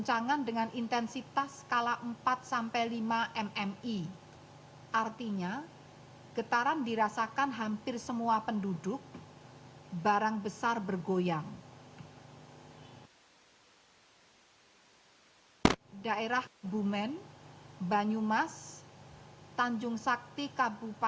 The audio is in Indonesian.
senter gempa bumi terletak pada koordinat tujuh tiga puluh dua lintang selatan saya ulangi tujuh tiga puluh dua derajat bujur timur